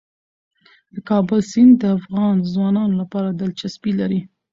د کابل سیند د افغان ځوانانو لپاره دلچسپي لري.